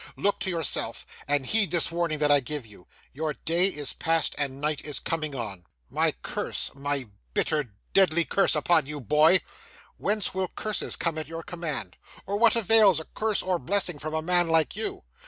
Look to yourself, and heed this warning that I give you! Your day is past, and night is comin' on.' 'My curse, my bitter, deadly curse, upon you, boy!' 'Whence will curses come at your command? Or what avails a curse or blessing from a man like you?